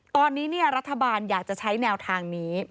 ตอนนี้รัฐบาลอยากจะใช้แนวทางนี้